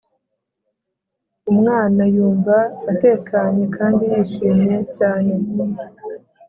Umwana Yumva Atekanye Kandi Yishimye Cyane